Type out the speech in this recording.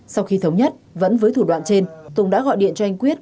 sau khi thống nhất vẫn với thủ đoạn trên tùng đã gọi điện cho anh quyết